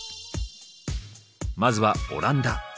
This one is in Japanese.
まずはオランダ。